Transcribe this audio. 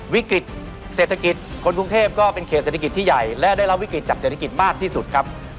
วิกฤตเศรษฐกิจคนกรุงเทพก็เป็นเขตเศรษฐกิจที่ใหญ่และได้รับวิกฤตจากเศรษฐกิจมากที่สุดครับ